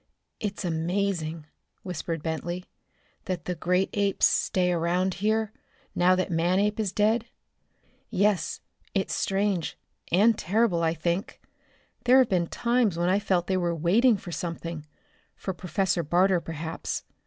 "It's amazing," whispered Bentley, "that the great apes stay around here now that Manape is dead." "Yes. It's strange and terrible I think. There have been times when I felt they were waiting for something, for Professor Barter, perhaps.